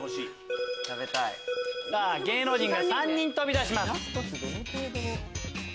芸能人が３人飛び出します。